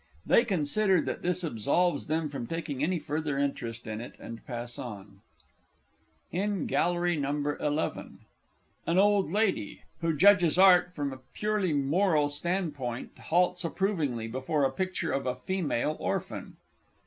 [They consider that this absolves them from taking any further interest in it, and pass on. IN GALLERY NO. XI. AN OLD LADY (who judges Art from a purely Moral Standpoint, halts approvingly before a picture of a female orphan).